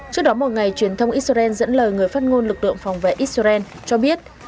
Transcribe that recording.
trước đó một ngày truyền thông israel dẫn lời người phát ngôn lực lượng phòng vệ israel cho biết